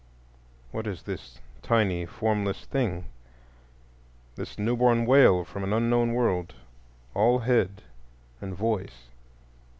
What is this tiny formless thing, this newborn wail from an unknown world,—all head and voice?